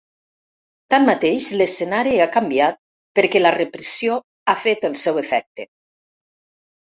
Tanmateix, l’escenari ha canviat perquè la repressió ha fet el seu efecte.